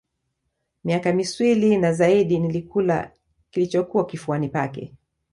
Miaka miswili na zaidi nilikula kilichokuwa kifuani pake